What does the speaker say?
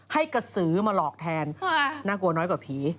ให้กระสือมาหลอกแทนน่ากลัวน้อยกว่าผี